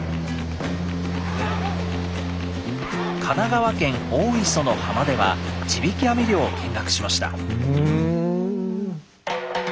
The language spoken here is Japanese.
神奈川県大磯の浜では地引き網漁を見学しました。